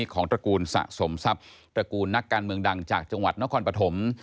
ตระกูลสะสมทรัพย์ตระกูลนักการเมืองดังจากจังหวัดนครปฐม